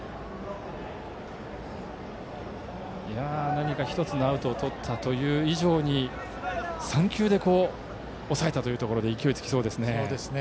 何か１つのアウトをとったという以上に３球で抑えたというところで勢いがつきそうですね。